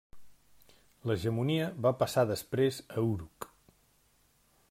L'hegemonia va passar després a Uruk.